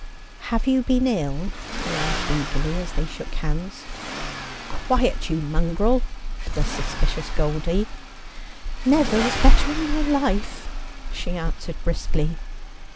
' Have you been ill ?' he asked eagerly, as they shook hands. ' Quiet, you mongrel !' to the suspicious Goldie. ' Never was better in my life,' she answered briskly.